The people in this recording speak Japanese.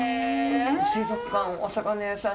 水族館お魚屋さん